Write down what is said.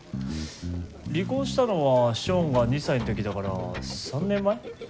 離婚したのはショーンが２歳の時だから３年前？